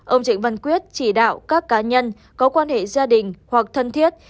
ông trịnh văn quyết chỉ đạo các cá nhân có quan hệ gia đình hoặc thân thiết